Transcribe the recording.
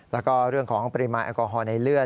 แล้วก็เรื่องของปริมาณแอลกอฮอล์ในเลือด